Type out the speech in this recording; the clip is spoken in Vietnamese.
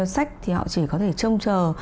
sách thì họ chỉ có thể trông chờ